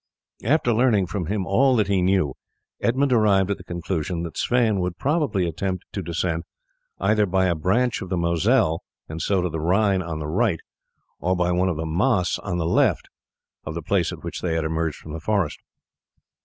After learning from him all that he knew Edmund arrived at the conclusion that Sweyn would probably attempt to descend either by a branch of the Moselle, and so to the Rhine on the right, or by one of the Maas on the left of the place at which they had emerged from the forest.